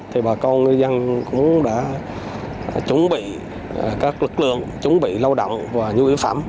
thì bà con ngư dân cũng đã chuẩn bị các lực lượng chuẩn bị lao động và nhu yếu phẩm